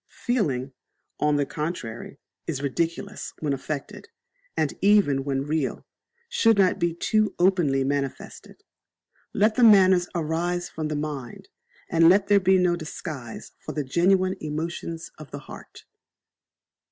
Feeling, on the contrary, is ridiculous when affected, and, even when real, should not be too openly manifested. Let the manners arise from the mind, and let there be no disguise for the genuine emotions of the heart.